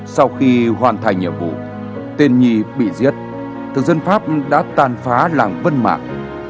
sau khi hoàn thành nhiệm vụ tên nhì bị giết thực dân pháp đã tàn phá làng vân mạng